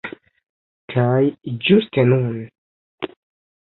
Kaj ĝuste nun!